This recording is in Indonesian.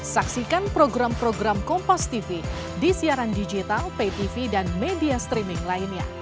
saksikan program program kompastv di siaran digital paytv dan media streaming lainnya